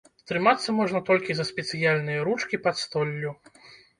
Трымацца можна толькі за спецыяльныя ручкі пад столлю.